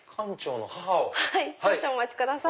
少々お待ちください。